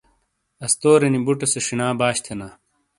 استورینی بُٹے سے شینا باش تھینا۔